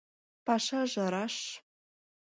— Пашаже раш...